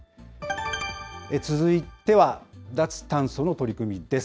続いては、脱炭素の取り組みです。